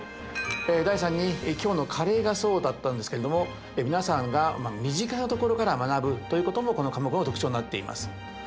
第３に今日のカレーがそうだったんですけれども皆さんが身近なところから学ぶということもこの科目の特徴になっています。